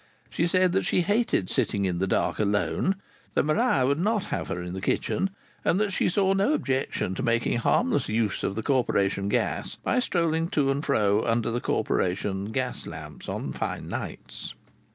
She said that she hated sitting in the dark alone, that Maria would not have her in the kitchen, and that she saw no objection to making harmless use of the Corporation gas by strolling to and fro under the Corporation gas lamps on fine nights.